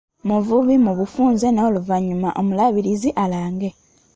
Mivule mu bufunze n’oluvannyuma omuluubirizi alage